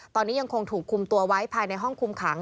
ตอนนี้ยังคงถูกคุมตัวไว้ภายในห้องคุมขัง